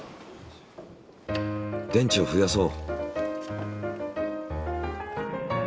電池を増やそう。